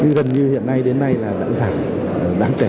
gần như hiện nay đến nay là đã giảm đáng kể